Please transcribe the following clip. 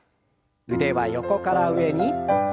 腕は横から上に。